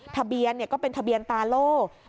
ทะเบียนก็เป็นทะเบียนตาโล่